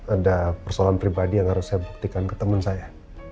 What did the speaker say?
ada persoalan pribadi yang harus saya buktikan ke teman saya